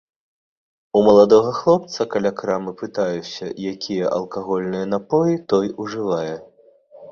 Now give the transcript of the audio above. У маладога хлопца каля крамы пытаюся, якія алкагольныя напоі той ужывае.